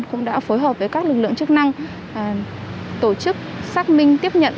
cũng đã phối hợp với các lực lượng chức năng tổ chức xác minh tiếp nhận